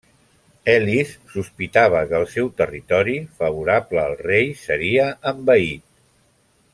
Elis sospitava que el seu territori, favorable al rei, seria envaït.